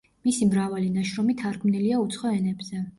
მისი მრავალი ნაშრომი თარგმნილია უცხო ენებზე.